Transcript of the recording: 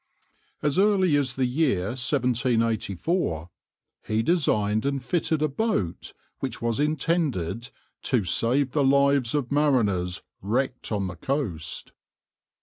As early as the year 1784 he designed and fitted a boat, which was intended "to save the lives of mariners wrecked on the coast."